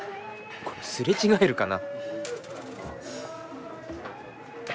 すれ違えるかな？